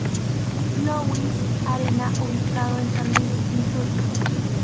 Louis Arena ubicado en San Luis, Misuri.